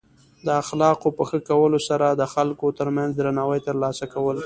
د اخلاقو په ښه کولو سره د خلکو ترمنځ درناوی ترلاسه کول.